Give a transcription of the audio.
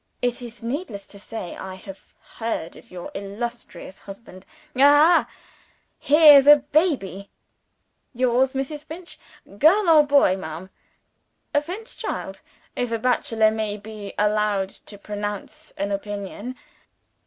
It is needless to say, I have heard of your illustrious husband. Aha! here's a baby. Yours, Mrs. Finch? Girl or boy, ma'am? A fine child if a bachelor may be allowed to pronounce an opinion.